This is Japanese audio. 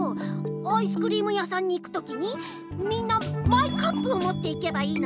アイスクリームやさんに行くときにみんなマイカップをもっていけばいいのよ。